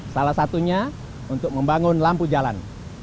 salah satunya untuk membangun lampu jalan